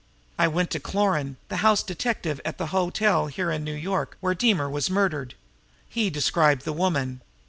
I went to Cloran, the house detective at the hotel here in New York where Deemer was murdered. He described the woman.